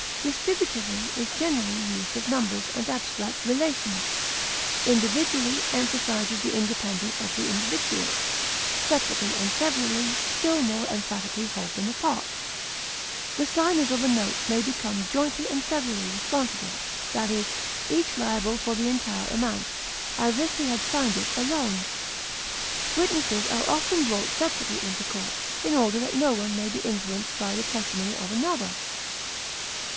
Distributively is generally used of numbers and abstract relations. Individually emphasizes the independence of the individuals; separately and severally still more emphatically hold them apart. The signers of a note may become jointly and severally responsible, that is, each liable for the entire amount, as if he had signed it alone. Witnesses are often brought separately into court, in order that no one may be influenced by the testimony of another.